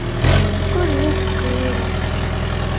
Ur llint ttqeyyilent.